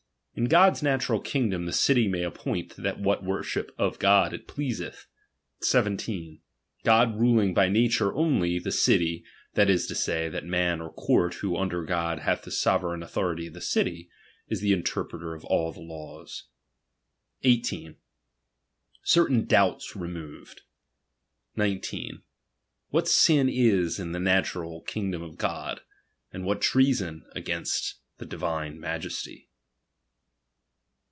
In Gud's natural kingdom, the city may appoint what worship of God it pleaseth. 17. God ruling by nature only, the city, that is to soy, that man or court who under God hath the sovereign authority of the city, is the interpreter of alt the laws. 18. Certain doubts removed. 19. What sin is in the natural kingdom of God ; and what (reason against the Divine Majesty.